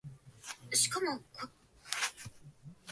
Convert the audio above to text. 山梨県身延町